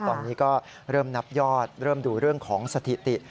ตอนนี้ก็เริ่มนับยอดเริ่มดูเรื่องของสถิติ